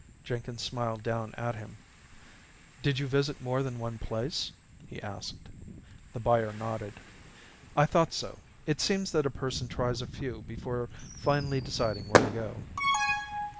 Jenkins smiled down at him. "Did you visit more than one place?" he asked. The buyer nodded. "I thought so. It seems that a person tries a few before finally deciding where to go."